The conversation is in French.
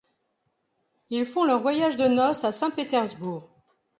Ils font leur voyage de noces à Saint-Pétersbourg.